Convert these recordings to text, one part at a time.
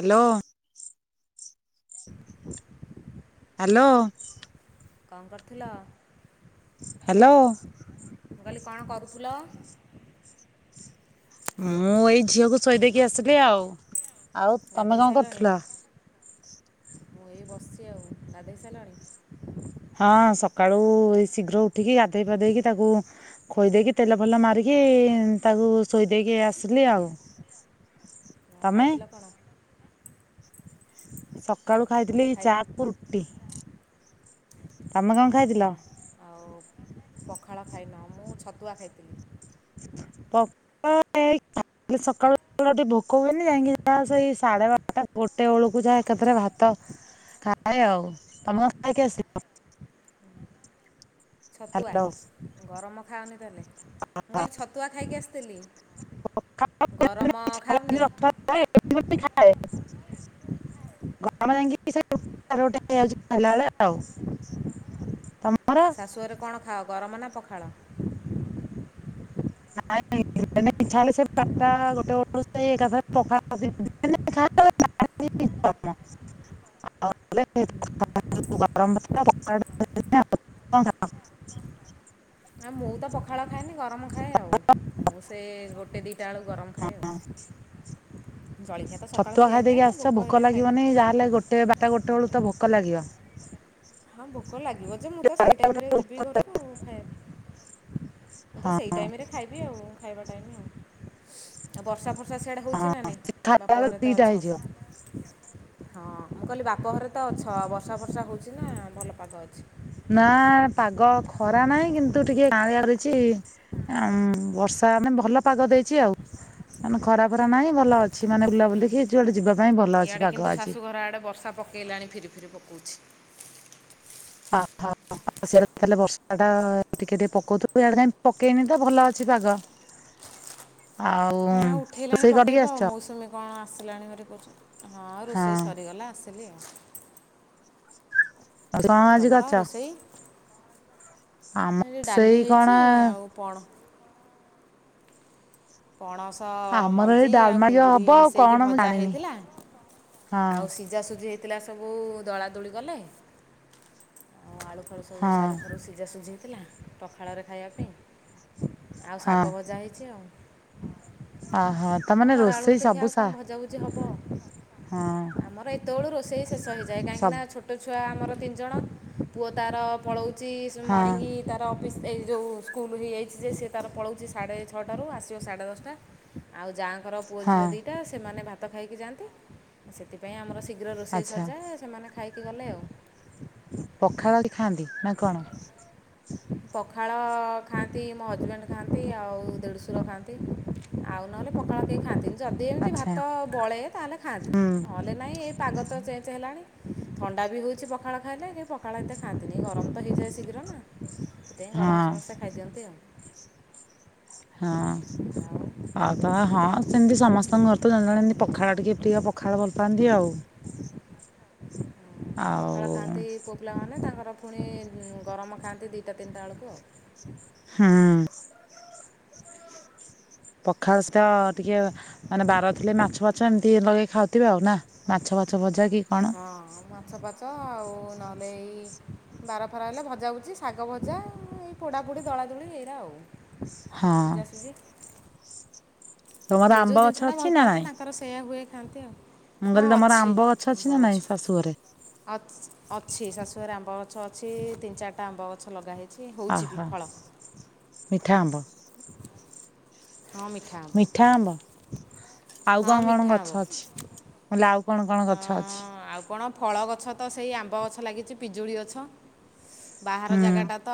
Hello. Hello. କଁ କରୁଥୁଲ। Hello. ମୁ କହଲି କଣ କରୁଥୁଲ? ମୁଁ ଏଇ ଝିଅକୁ ଶୋଇଦେଇକି ଆସିଲି ଆଉ, ଆଉ ତମେ ଗାଧୋଇ କଁ ସାରିଲଣି? କରୁଥୁଲ? ମୁଁ ଏଇ ବସ୍ ଚି ଆଉ ଗାଧେଇ ସାଇଲଣି? ହଁ ସକାଳୁ ଶୀଘ୍ର ଉଠିକି ଗାଧେଇ ପାଧେଇକି ତାକୁ ଖୋଇ ଦେଇକି ତେଲ ଫେଲ ମାରିକି ତାକୁ ଶୋଇ ଦେଇକି ଆସିଲି ଆଉ। ଆଉ ତମେ? ଖାଇଥିଲ କଣ? ସକାଳୁ ଖାଇଥିଲି ଏଇ ଖାଇ ଚା କୁ ରୁଟି, ତମେ କଁ ଓହୋ। ଖାଇଥିଲ? ଆଉ ପଖାଳ ଖାଇଲା, ମୁଁ ଛତୁଆ ଖାଇଥିଲି। [unintelligible] ହେଲେ ସକାଳୁ ଉ ଟିକେ ଭୋକ ହୁଏନି, ଯାଇକି ଯହା ସେଇ ସାଢେ ବାରଟା ଗୋଟେ ବେଳକୁ ଯାହା ଏକାଥରେ ଭାତ ଖାଏ ଆଉ, ତମ କଁ ଖାଇକି ଆସିଲ? ଛତୁଆ ହ୍ୟାଲୋ ଗରମ ଖାଅନି ତାହେଲେ, ମୁଁ କଇଲି ଛତୁଆ ଖାଇକି ଆସିଥିଲି। ଗରମ ଖାଉନି। ଏବେବି ଖାଏ। ଗରମ ଯାଇଁ କି ସେ ଗୋଟେ ସାଢ଼େ ଗୋଟେ ହେଇଯାଉଛି ଖାଇଲା ବେଳେ ଆଉ। ଶାଶୁଘରେ କଣ ଖାଅ ଗରମ ନା ପଖାଳ? ନାଇଁ। [unintelligible] [unintelligible] [unintelligible] [unintelligible] ନାଁ ମୁଁ ତ ପଖାଳ ଖାଏନି ଗରମ ଖାଏ ଆଉ, ମୁ ସେ ଗୋଟେ ଦି ଟା ବେଳ ଗରମ୍ ଖାଏ ଆଉ। ଜଳଖିଆ ତ ସକାଳୁ ଛତୁଆ ଖିଆ ହେଇଥାଏ ଖାଇଦେଇକି ଆସିଚ ଭୋକ ହେଲେ ଖାଇକି ଲାଗିବନି ଯାହେଲେ ଗୋଟେ ବା ଟା ଗୋଟେ ବେଳୁ ତ ଭୋକ ଲାଗିବା। ହଁ ଭୋକ ଲାଗିବ ଯେ, ମୁଁ ତ ସେଇ ଟାଇମରେ ଯିବି ଘରକୁ ଖାଇବା ପାଇଁ। ମୁଁ ତ ହଁ ସେଇ ଟାଇମରେ ଖାଇବି ଆଉ ଖାଇବା ଟାଇମି ଆଉ, ଆ ବର୍ଷା ଫ ସା ସିଆଡ଼େ ହଁ ହୋଉଚି ନା ନାଇଁ ଖାଇଲା ବାପ ବେଳକୁ ଘରେ ତ ଦିଟା ହେଇଯିବ ଅଛ। ହଁ ମୁଁ କଇଲି ବାପଘରେ ତ ଅଛ ବର୍ଷା ବର୍ଷା ହୋଉଚି ନା ଭଲ ପାାଗ ଅଛି? ନା ପାଗ ଖରା ନାହିଁ କିନ୍ତୁ ଟିକେ କାଉଁରିଆ ଦେଇଚି। ଆଁମ୍ ବର୍ଷା ମା ଭଲ ପାଗ ଦେଇଚି ଆଉ। ମାନେ ଖରା ଫରା ନାହିଁ ଭଲ ଅଛି ମାନେ ବୁଲା ବୁଲିିକି ଯୁଆଡେ ଯିବା ପାଇଁ ଭଲ ଅଛି ପାଗ ଆଜି। ଘର ଆଡେ ବର୍ଷା ପକେଇଲାଣି ଫିରି ଫିରି ପକୋଉଛି। ଓହୋ ସେ ତାେଲେ ବର୍ଷା ଟା ଟିକେ ଟିକେ ପଉଥିବ ଇଆଡେ କାଇଁ ପକେଇନି ତ ଭଲ ଅ ଛି ପାଗ ଆଉ ନା ଉଠେଇଲାଣି ରୋଷେଇ ପକେଇବ କରିକି ଆସିଚ? ମୌସୁମୀ କଣ ଆସିଲାଣି ଭାରି କୋଉଚି ହଁ ରୋଷେଇ ସରିଗଲା ଆସିଲି ଆଉ। ଆଉ କଣ ଆଜି ତମର କରିଚ? ରୋଷେଇ ସେଇ ଡାଲି କଣ ହେଇଛି ଆଉ ପଣ୍ ପଣସ ଆମର ଏଇ ମଞ୍ଜି ଆଉ ଡାଲମା ଟିକେ କୁନ୍ଦୁରି ହବ ଆଉ ମିଶେଇକି କଣ ମୁଁ ଭଜା ଜାଣିନି। ହେଇଥିଲା। ହଁ ଆଉ ସିଝା ସଝି ହେଇଥିଲା ସବୁ ଦଳା ଦୋଳି ଗଲେ ଆଉ ଆଳୁ ତ ସବୁ ହଁ ସାରୁଫାରୁ ସିଝା ସିଝିହେଇଥିଲା ପଖାଳରେ ଖାଇବା ପାଇଁ। ଆଉ ହଁ ଶାଗ ଭଜା ହେଇଚି ଆଉ। ଓହୋ ହଁ ତାମାନେ ଖରା ରୋଷେଇ ବେଳକୁ ଦେଖିଆ ସବୁ ଆଉ ସା କଣ ଭଜାଭୁଜି ହବ। ହଁ। ଆମର ଏତେବଳୁ ରୋଷେଇ ଶେଷ ହୋଇଇଯାଏ ସବୁ କାହିଁକିନା ଛୋଟ ଛୁଆ ଆମର ତିନ୍ ଜଣ ପୁଅ ତାର ପଳୋଉ ସି ହଁ ମଣିଙ୍ଗି ତାର ଅଫିସ୍ ଏଇ ଯେଉଁ ସ୍କୁଲ୍ ହେଇଯାଇଚି ଯେ ସେ ତର ପଳଉଛି ସାଢ଼େ ଛଅଟାରୁ ଆସିବ ସାଢ଼େ ଦଶ୍ ଟା। ଆଉ ଯାଆଙ୍କର ପୁଅ ଝିଅ ହଁ ଦୁଇଟା ସେମାନେ ଭାତ ଖାଇକି ଯାଆନ୍ତି ସେଥିପାଇଁ ଆମର ଶୀଘ୍ର ରୋଷେଇ ଆଚ୍ଛା ସରଯାଏ, ସେମାନେ ଖାଇକି ଗଲେ ଆଉ। ପଖାଳ କୀ ଖାଆନ୍ତି ନା କଣ? ପଖାଳ ଖାଆନ୍ତି ମୋ ହଜବେଣ୍ଡ ଖାଆନ୍ତି, ଆଉ ଦେଢ଼ଶୁର ଖାଆନ୍ତି। ଆଉ ନହେଲେ ପଖାଳ କେହି ଖାଆନ୍ତିନ। ଯଦି ଏମିତି ଆଚ୍ଛା ଭାତ ବଳେ ତାହେଲେ ଖାଆନ୍ତି। ହୁଁ ନ ନଲେ ନାଇଁ ଏଇ ପାଗ ତ ଚେଞ୍ଜ ହେଲାଣି। ଥଣ୍ଡା ବି ହଉଛି ପଖାଳ ଖାଇଲେ। କେହି ପଖାଳ ଏତେ ଖାଆନ୍ତିନି ଏଷଗରମ ତ ହେଇଯାଏ ଶୀଘ୍ର ନା ସେଥିପାଇଁ ଗରମ ହଁ ସମସ୍ତେ ଖାଇଦିଅନ୍ତି ଆଉ। ହଁ। ଆଉ ଆଉ ତ ହଁ ସେମିତି ସମସ୍ତଙ୍କ ଘର ତ ଜଣେ ଜଣେ ଏମିତି ପଖାଳ ଟିକେ ପ୍ରିୟ। ପଖାଳ ଭଲ ପାଆନ୍ତି ଆଉ। ଆଉ ପଖାଳ ଖାଆନ୍ତି ପୁଅ ପିଲାମାନେ ତାଙ୍କର ପୁଣି ଉଁ, ଗରମ ଖାଆନ୍ତି ଦିଇଟା ତିନିଟା ବେଳକୁ ଆଉ। ହଁ। ପଖାଳ ସେତ ଟିକେ ମାନେ ବାର ଥିଲେ ମାଛ ଛନ୍ତି ଲଗେଇ ଖାଉଥିବେ ଆଉ ନା ମାଛ ଫାଛ ଭଜା କି କଣ? ହଁ। ମାଛ ଫାଚ ଆଉ ନହେଲେ ଏଇ ବାର ଫାର ହେଲେ ଭଜା ଭୁଜି ଶାଗ ଭଜା। ଏଇ ପୋଡାପୁଡି ଦଳା ଦୋଳି ଏଇରା ଆଉ। ହଁ। ସିଝାସିଝି ତମର ଯିଏ ଆମ୍ବ ଯୋଉ ଗଛ ଜିନିଷଟା ଅଛି ଭଲ ନା ପାଆନ୍ତି ନାଇଁ? ତାଙ୍କର ସେଇୟା ହୁଏ ଖାଆନ୍ତି ଆଉ। ମୁଁ ହଁ କହିଲି ତମର ଅଛି ଗଛ ଅଛି ଆମ୍ବ ନା ଗଛ। ନାଇଁ ଶାଶୁ ଘରେ ଅଛ ଅଛି ଶାଶୁଘରେ ଆମ୍ବ ଗଛ ଅଛି। ତିନି ଚାରଟା ଆମ୍ବ ଗଛ ଲଗା ହେଇ ଓହୋ ମିଠା ଆମ୍ବ? ହଁ ମିଠା ଆମ୍ବ। ଆଉ ହଁ କଣ କଣ ମିଠା ଆମ୍ବ ଗଛ ଅଛି? ମୁଁ କହିଲି ଆଉ କଣ କଣ ଗଛ ଅଛି। ଅଁ, ଆଉ କଣ ଫଳ ଗଛ ତ ସେଇ ଆମ୍ବ ଗଛ ଲାଗିଛି। ପିଜୁଳି ଗଛ, ବାହାର ହୁଁ ଜାଗାଟା ତ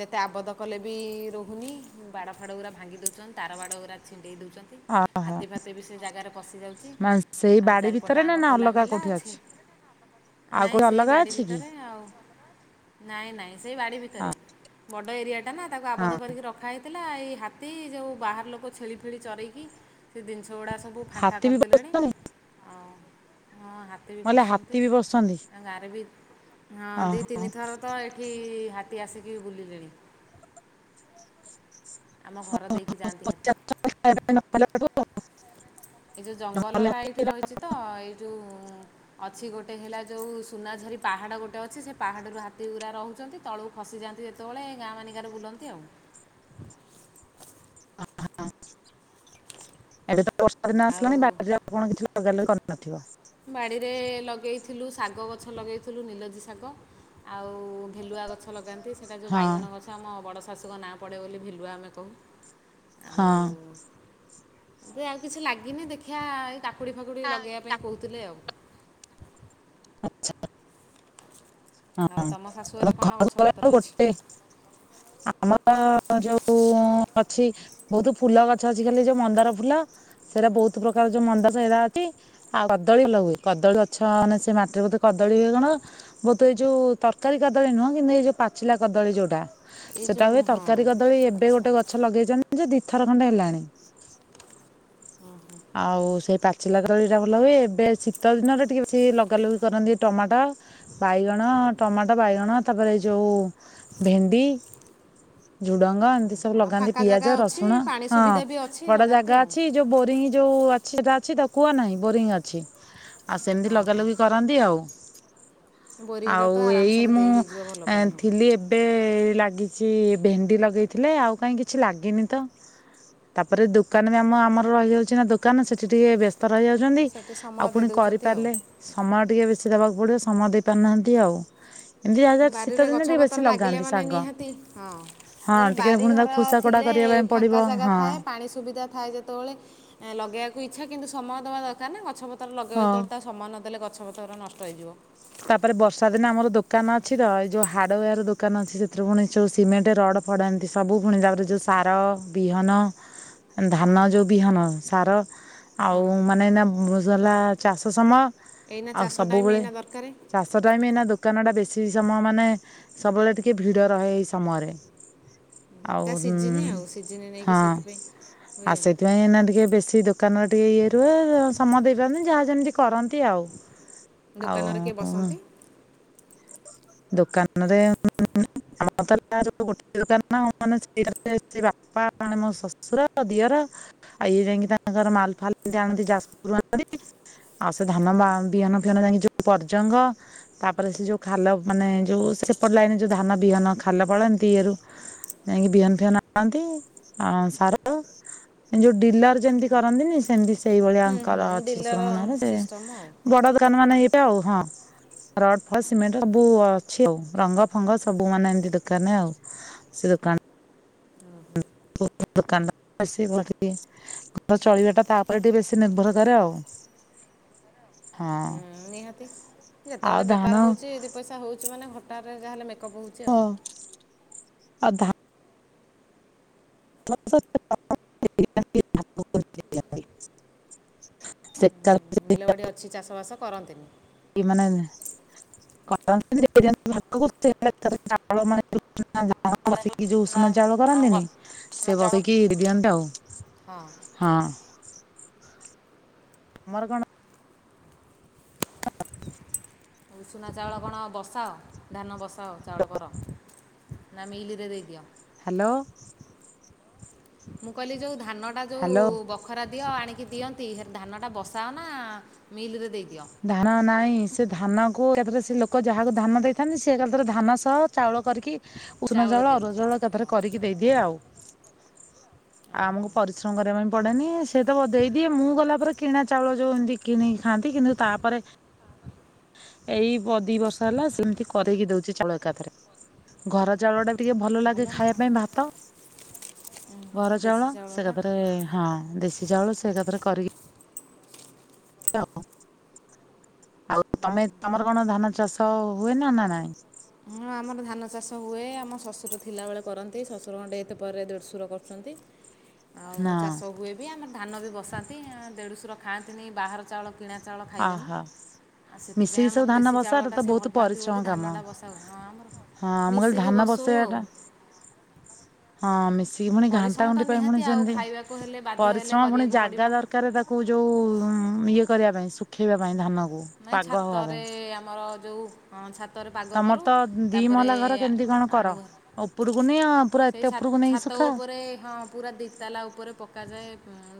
ଯେତେ ଆବଧ କଲେ ବି ରହୁନି। ହୁଁ, ବାଡ଼ ଫାଡ଼ ଗୁରା ଭାଙ୍ଗି ଦଉଚନ୍, ତାର ବାଡ଼ ଗୁରା ଛିଣ୍ଡେଇ ଦଉଚନ୍। ତି ଓହୋ ହାତୀ ଫାତୀ ବି ସେ ଜାଗାରେ ପଶି ଯାଉଚି। ମାନେ ସେଇ ଆଉ ବାଡି ଚାରିପ ଭିତରେ ନା ଟାଙ୍ଗ ନା ଖୋଲା ଅଲଗା ମେଲା କୋଉଠି ଅଛି, ଆଉ ନାଇଁ କୋଉଠି ସେଇ ଅଲଗା ବାଡି ଅଛି କି? ଭିତରେ। ନାଇଁ ନାଇଁ ସେଇ ବାଡି ହଁ ଭିତରେ ବଡ ଏରିଆ ଟା ନା ତାକୁ ହଁ। ଆବଦ୍ଧ କରିକି ର ଖା ହେଇଥିଲା, ଏଇ ହାତୀ ଯୋଉ ବାହାର ଲୋକ ଛେଳି ଫେଳି ଚରେଇକି ସେ ଜିନିଷ ଗୁଡ଼ା ସବୁ ଫାଙ୍କା ହାତୀ ବି କରିଦେଲେଣି। ବସଛନ୍ତି ମୁଁ ଆଉ ହଁ ହାତୀ ବି କହିଲି ପଶୁଛନ୍ତି। ହାତୀ ବି ବସଛନ୍ତି ଆଉ ଗାଁ ରେ ବି ହଁ ଦି ତିନିଥର ତ ଏଠି ହାତୀ ଆସିକି ବୁଲିଲେଣି। ଆମ ଘର ଦେଇକି ଯାଆନ୍ତି ହାତୀ। ଏଇ ଯୋଉ ଜଙ୍ଗଲ ଟା ଏଇଠି ରହିଛି ତ। ଏଇ ଯୋଉ ଉଁ, ଅଛି ଗୋଟେ ହେଲା ଯୋଉ ସୁନାଝରି ପାହାଡ ଗୋଟେ ଅଛି। ସେ ପାହାଡରୁ ହାତୀ ଗୁରା ରହୁଛନ୍ତି ତଳୁ ଖସିଯାଆନ୍ତି ଯେତେବେଳେ ଗାଁ ମାନିଙ୍କାରେ ବୁଲନ୍ତି ଆଉ। [inaudible] ହଁ ଏବେ ତ ବର୍ଷା ଦିନ ଆଉ ଆସିଲାଣି ବାଡିରେ ଆଉ କଣ କିଛି ଲଗା ଲଗି କରିନଥିବ? ବାଡ଼ିରେ ଲଗେଇଥିଲୁ ଶାଗ ଗଛ ଲଗେଇଥିଲୁ ନିଲଜି ଶାଗ। ଆଉ ଭେଲୁଆ ଗଛ ଲଗାନ୍ତି। ସେଟା ଯୋଉ ହଁ ବାଇଗଣ ଗଛ ଆମ ବଡ଼ ଶାଶୁଙ୍କ ନାଁ ପଡ଼େ ବୋଲି ଭେଲୁଆ ଆମେ କହୁ। ହଁ। ଆଉ ଏବେ ଆଉ କିଛି ଲାଗିନି ଦେଖିଆ ଏଇ କାକୁଡି ଫାକୁଡି ଲଗେଇବା ପାଇଁ କହୁଥିଲେ ଆଉ। ଆଚ୍ଛା। ଆଉ ତୋମ ତମ ଶାଶୁଘରେ ଘରକୁ କଣ ଗଛ ଗଲାବେଳକୁ ପତ୍ର ଅଛି? ଗୋଟେ ଆମର ଯୋଉ ଉଁ, ଅଛି ବହୁତ ଫୁଲ ଗଛ ଅଛି। ଖାଲି ଯୋଉ ମନ୍ଦାର ଫୁଲ ସେଇଟା ବହୁତ ପ୍ରକାର ଯୋଉ ମନ୍ଦାର ସେଇଟା ଅଛି। ଆଉ କଦଳୀ ଲଗଉ, କଦଳୀ ଗଛ ମାନେ ସେ ମାଟିରେ ବୋଧେ କଦଳୀ ହୁଏ କଣ। ତ ଏଇ ଯୋଉ ତରକାରୀ କଦଳୀ ନୁହଁ। କିନ୍ତୁ ଏଇ ଯୋଉ ପାଚିଲା କଦଳୀ ଯୋଉଟା। ଏଇ ସେଟା ଯେଉଁ ହୁଏ। ହଁ ତରକାରୀ କଦଳୀ ଏବେ ଗୋଟେ ଗଛ ଲଗେଇଚନ୍ତି ଯେ ଦିଥର ଖଣ୍ଡେ ହେଲାଣି। ଆଉ ସେଇ ପାଚିଲା କଦଳୀ ଟା ଭଲ ହୁଏ। ଏବେ ଶୀତ ଦିନରେ ଟିକେ ବେଶି ଲଗା ଲଗି କରନ୍ତି ଟମାଟ ବାଇଗଣ, ଟମାଟୋ, ବାଇଗଣ ତାପରେ ଯୋଉ ଭେଣ୍ଡି। ଝୁଡଙ୍ଗ ଏମିତି ସବୁ ହଁ ଲଗାନ୍ତି, ଫାଙ୍କା ଜାଗା ପିଆଜ, ଅଛି ରସୁଣ ପାଣି ହଁ ସୁବିଧା ବି ଅଛି ବଡ ଲଗାନ୍ତି ଜାଗା ଆଉ ଅଛି? ଯୋଉ ବୋରିଂ ଜଉ ଅଛି ଯୋଉଟା ଅଛି କୁଅ ନାହିଁ ବୋରିଙ୍ଗ ଅଛି ଆଉ ସେମିତି ଲଗା ଓହୋ ଲଗି ନ କରନ୍ତି ଆଉ। ବୋରିଂର ଆଉ ତ ଏଇ ଆରାମସରେ ଦେଇ ମୁଁ ହେଇଯିବ ଭଲ ପାଣି ହଉ ଥିଲି ଏବ୍ ଗୋଟେ ଲାଗିଛି ଭେଣ୍ଡି ଲଗେଇଥିଲେ ଆଉ କାହିଁ କିଛି ଲାଗିନି ତ। ତାପରେ ଦୋକାନ ବି ଆମ ଆମର ରହିଯାଉଛି ନା ଦୋକାନ ସେଠି ଟିକେ ବ୍ୟସ ତ ରହିଯାଉଛନ୍ତି ସେଠି ଆଉ ସମୟ ଦେଇ ପୁଣି ଦେଉଛନ୍ତି ଆଉ କରିପାରିଲେ ସମୟ ଟିକେ ବେଶୀ ଦବାକୁ ପଡିବ ସମୟ ଦେଇ ପାରୁନାହାନ୍ତି ଆଉ। ଏମିତି ଯାହା ଯାହା ଶୀତ ବାରିରେ ଦିନେ ଗଛ ଟିକେ ବେଶୀ ପତ୍ର ଲାଗିଲେ ଲଗାନ୍ତି ମାନେ ଶାଗ ନିହାତି ହଁ। ହଁ ମୁଁ କହିଲି ଟିକେ ପୁଣି ତାକୁ ବାରିଘର ଖୁସା କୋଡା ଥିଲେ କରିବା ପାଇଁ ପଡିବ ଫାଙ୍କା ଜାଗା ହଁ। ଥାଏ ପାଣି ସୁବିଧା ଥାଏ ଯେତେବେଳେ ଏ ଲଗେଇବାକୁ ଇଚ୍ଛା କିନ୍ତୁ ସମୟ ଦେବା ଦରକାର ନା ଗଛ ପତ୍ର ଲଗେଇବା ହଁ। ଯେତେବେଳେ ତା ସମୟ ନ ଦେଲେ ଗଛପତର ନଷ୍ଟ ହେଇଯିବ। ତାପରେ ବର୍ଷା ଦିନେ ଆମର ଦୋକାନ ଅଛି ତ ଏଇ ଯୋଉ ହାର୍ଡୱାର ଦୋକାନ ଅଛି ସେଥିରୁ ପୁଣି ସବୁ ସିମେଣ୍ଟ, ରଡ଼ ପଡେ ଇମିତି ସବୁ ପୁଣି ତାପରେ ଯୋଉ ସାର, ବିହନ ହଁ ଧାନ ଯୋଉ ବିହନ ସାର ଆଉ ମାନେ ଏଇନା ବ ହେଲା ଚାଷ ସମୟ। ଆଉ ସବୁବେଳେ ତରକାରୀ। ଚାଷ ଟାଇମ୍ ଏଇନା ଦୋକାନ ଟା ବେଶୀ ସମୟ ମାନେ ସବୁବେଳେ ଟିକେ ଭିଡ ରହେ ଏଇ ସମୟରେ। [inaudible] ତା ଆଉ ହୁଁ ସିଜିନ୍ ଆଉ ସିଜିନ୍ ନେଇକି ହଁ ସେଥିପାଇଁ ହୁଏ ଆଉ ଆଉ ସେଥିପାଇଁ ଏଇନା ଟିକେ ବେଶୀ ଦୋ ଦୋକାନ ଟିକେ ଇଏ ରୁହେ ସମୟ ଦେଇପାରନ୍ତି ଯାହା ଯେମିତି କରନ୍ତି ଆଉ। ଆଉ ଦୋକାନରେ କିଏ ବସନ୍ତି? ଦୋକାନରେ। [unintelligible] [unintelligible] ଗୋଟେ ଦୋକାନ ନା ସେ ବାପା ମାନେ ମୋ ଶଶୁର। ଦିଅର ଆଉ ଇଏ ଯାଇକି ତାଙ୍କର ମାଲ ଫାଲତି ଆଣନ୍ତି ଯାଜପୁର୍ ରୁ ଆଣନ୍ତି। ଆଉ ସେ ଧାନ ବା ବିହନ ଫିହନ ଯାଇକି ଯୋଉ ପର୍ଜଙ୍ଗ ତାପରେ ସେ ଯୋଉ ଖାଲ ମାନେ ଯୋଉ ସେପଟ ଲାଇନ୍ ଯୋଉ ଧାନ ବିହନ ଖାଲ ପଳନ୍ତି ଇଏ ରୁ ଯାଇକି ବିହନ ଫିହନ ଆଣନ୍ତି। ଆଉ ସାର ଏ ଯୋଉ ଡିଲର ଯେମିତି କରନ୍ତିନି ସେମତି ସେଇଭଳିଆ। ହୁଁ ହୁଁ କର ଅଛି ଡିଲର ସୁରଙ୍ଗ ନାରେ ସେ ସିଷ୍ଟମ୍ ଆଉ ବଡ ଦୋକାନ ମାନେ ହେଇବେ ଆଉ ହଁ ଫ ସିମେଣ୍ଟ ସବୁ ଅଛି ଆଉ ରଙ୍ଗ ଫଙ୍ଗ ସବୁ ମାନେ ଏମିତି ଦୋକାନରେ ଆଉ ସେ ଦୋକାନ ତ ହ। [unintelligible] ଘର ଚଳିବା ଟା ତାପରେ ଟିକେ ବେଶୀ ନିର୍ଭର କରେ ଆଉ। ହୁଁ, ହଁ। ନିହାତି ଆଉ ଯେତେବେଳେ ଧାନ ବେପାର ହଉଛି ଦି ପଇସା ହଉଛି ମାନେ ଘରଟାରେ ଯାହେଲେ ମେକଅପ୍ ହେଉଛି। ହଁ। ଆଉ ଅଧା [unintelligible] [unintelligible] କିଛି ଚାଷବାସ କରନ୍ତିନି। କି ମାନେ [unintelligible] ହଁ ବସେଇକି ମାନେ ଯୋଉ ଉଷୁନା ଚାଉଳ ଧାନକୁ କରନ୍ତିନି ବସ ଉଷୁନା ସେ ଚାଉଳ ବସେଇକି ଦିଅନ୍ତୀ ଆଉ। ହଁ ହଁ। ମରଗଣ [unintelligible] ଉଷୁନା ଚାଉଳ କଣ ବସାଅ ଧାନ ବସାଅ ଚାଉଳ କର। ନାଁ ମିଇଲିର ଦେଇଦିଅ। ହ୍ୟାଲୋ। ମୁଁ କହିଲି ଯୋଉ ଧାନଟା ଯୋଉ ହ୍ୟାଲୋ ବ ପଖରା ଦିଅ ଆଣିକି ଦିଅନ୍ତି ହେ ଧାନଟା ବସାଅ ନା ମିଲ୍ ରେ ଦେଇଦିଅ? ଧାନ ନାହିଁ। ସେ ଧାନ କୁ ଏକାଥରେ ସେ ଲୋକ ଯାହାକୁ ଧାନ ଦେଇଥାନ୍ତି ସେ ଏକାଥରେ ଧାନ ସହ ଚାଉଳ କରିକି ଉଷୁନା ଚାଉଳ ଅରୁଆ ଚାଉଳ ଏକାଥରେ କରିକି ଦେଇଦିଏ ଆଉ। ଆଉ ଓହୋ ଆମକୁ ପରିଶ୍ରମ କରିବା ପାଇଁ ପଡେନି। ସେ ତ ଦେଇ ଦିଏ ମୁଁ ଗଲା ପରେ କିଣା ଚାଉଳ ଯୋଉ ଏମିତି କିଣି ଖାଆନ୍ତି କିନ୍ତୁ ତାପରେ ଏଇ ବ ଦି ବର୍ଷ ହେଲା ସେମିତି କରିକି ଦଉଚି ଚାଉଳ ଏକାଥରେ। ଘର ଚାଉଳଟା ଟିକେ ଭଲ ଲାଗେ ନା ଖାଇବା ଆଉ। ପାଇଁ ଭାତ। ଉଁ, ଘର ଦେଶୀ ଚାଉଳ। ସେ ଚାଉଳଟା ଏକାଥରେ ହଁ ଦେଶୀ ଚାଉଳ ସେ ଏକାଥରେ କରିକି ଆଉ ତମେ ତମର କଣ ଧାନ ଚାଷ ହୁଏ ନା ନା ନାଇଁ। ହଁ ଆମର ଧାନ ଚାଷ ହୁଏ ଆମ ଶ୍ୱଶୁର ଥିଲାବେଳେ କରନ୍ତି। ଶ୍ୱଶୁରଙ୍କ ଡେଥ ଏତେ ପରେ ଦେଢ଼ଶୁର କରୁଛନ୍ତି। [inaudible] ଆଉ ଚାଷ ହୁଏ ବି ଆମର ଧାନ ବି ବସାନ୍ତି। ଦେଢୁଶୁର ଖାଆନ୍ତିନି ବାହାର ଚାଉଳ କିଣା ଚାଉଳ ଖାଇବେନି। ଆହା ସେଥିପାଇଁ ମିଶିକି ସବୁ ଆମର ଧାନ ଦେଶୀ ବସା ଚାଉଳ ଏଟା ଟା ତ ସେ ବହୁତ ଭଲ ପାନ୍ତି ପରିଶ୍ରମ ବୋଲି ଧାନ କାମ। ଟା ବ ହଁ ଆମର ହଉ ହଁ ମୁଁ କହିଲି ମିଶିକି ଧାନ ବସଉ ବସେଇବା ଆଉ। ଟା ହଁ ମିଶିକି ପୁଣି ଘାଣ୍ଟା ପରିଶ୍ରମ ତ ଘୁଣ୍ଟି ପାଇଁ ପୁଣି ନିହାତି ଆଉ ସେମିତି ଖାଇବାକୁ ହେଲେ ବାଧ୍ୟ ହେଲେ ପରିଶ୍ରମ ପୁଣି କରିବାକୁ ପଡ଼ିବ ଜାଗା ଦର କାରେ ତାକୁ ଯୋଉ ଇଏ କରିବା ପାଇଁ ଶୁଖେଇବା ପାଇଁ ଧାନକୁ। ନାଇଁ ପାଗ ହବା ପାଇଁ ଛାତରେ ଆମର ଯଉ ହଁ ଛାତରେ ପାଗ ତମର କରୁ ତ ତାପରେ ଆଣୁ ହରି। ଉପୁରୁକୁ ନିଅ। ପୁରା ସେଇ ଏତେ ଛାତ୍ ଉପରକୁ ନେଇକି ଛାତ ଶୁଖାଅ ଉପରେ ହଁ। ପୁରା ଦିତାଲା ଉପରେ ପକାଯାଏ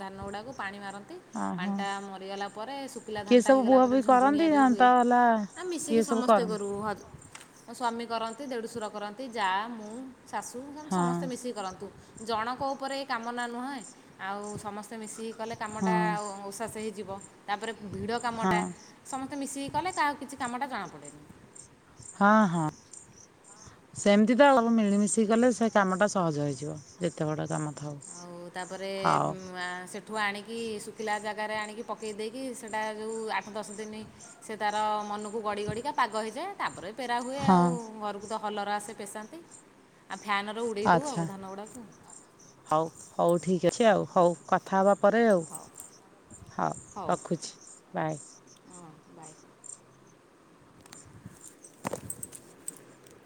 ଧାନ ଗୁଡ଼ାକୁ ପାଣି ମାରନ୍ତି। ଓହୋ। ପାଣିଟା ମରିଗଲା ପରେ ଶୁଖିଲା କିଏ ଧାନଟା ସବୁ ହେଇଗଲା ବୁହା ପରେ ବୁହି ଝୁଣୁ ଝୁଣିଆ କରନ୍ତି ଯଉ ତ ହୁଏ। ହେଲା ଆ କିଏ ମିଶିକି ସବୁ ସମସ୍ତେ କରନ୍ତି କରୁ ହଜ ମୋ ସ୍ୱାମୀ କରନ୍ତି ଦେଢ଼ୁଶୂର କରନ୍ତି ଯା ମୁଁ ଶାଶୁ ହଁ ସମସ୍ତେ ମିଶିକି କରନ୍ତୁ। ଜଣଙ୍କ ଉପରେ ଏ କାମ ନା ନୁହେଁ ଆଉ ସମସ୍ତେ ମିଶିକି କଲେ ହଁ କାମଟା ଓସାସେ ହେଇ ଯିବ ତାପରେ ଭିଡ଼ ହଁ କାମଟା ସମସ୍ତେ ମିଶିକି କଲେ କାହାକୁ କିଛି କାମଟା ଜଣାପଡ଼େନି। ହଁ ହଁ। ସେମିତି ତ ଆଉ ମିଳିମିଶିକି କଲେ ସେ କାମଟା ସହଜ ହେଇଯିବ। ଯେତେ ବଡ଼ କାମ ଥାଉ। ଆଉ ତାପରେ ହଉ ଉଁ ଆଁ ସେ ଠୁ ଆଣିକି ଶୁକିଲା ଜାଗାରେ ଆଣିକି ପକେଇ ଦେଇକି ସେଇଟା ଯଉ ଆଠ ଦଶ ଦିନି ସେ ତାର ମନକୁ ଗଡ଼ି ଗଡି଼କା ପାଗ ହେଇଯାଏ ତାପରେ ପେରା ହୁଏ ହଁ ଆଉ ଘରକୁ ତ ହଲର ଆସେ ପେଶାନ୍ତି। ଆଉ ଫ୍ୟାନ୍ ରେ ଉଡ଼େଇ ଦଉ ଆଉ ଆଚ୍ଛା ଧାନ ଗୁଡ଼ାକୁ। ହଉ ହଉ ଠିକ୍ ଅଛି ଆଉ ହଉ। କଥା ହବା ପରେ ଆଉ ହଉ ହଉ ରଖୁଛି ବାଏ। ହଁ ବାଏ [inaudible]